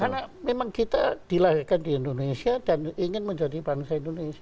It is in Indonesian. karena memang kita dilahirkan di indonesia dan ingin menjadi bangsa indonesia